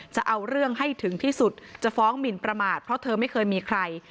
จะเอาเรื่องให้ถึงที่สุดจะฟ้องหมินประมาทเพราะเธอไม่เคยมีใคร